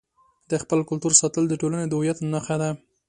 د خپل کلتور ساتل د ټولنې د هویت نښه ده.